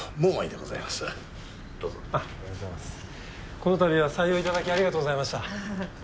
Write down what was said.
この度は採用頂きありがとうございました。